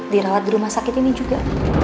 dirawat di rumah sakit ini juga